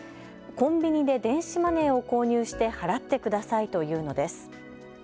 コンビニで電子マネーを購入して払ってくださいというのです。